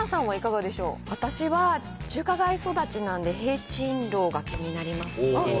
私は中華街育ちなんで、聘珍樓が気になりますね。